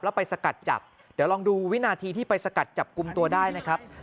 แล้วไปสกัดจับเดี๋ยวลองดูวินาทีที่ไปสกัดจับกลุ่มตัวได้นะครับ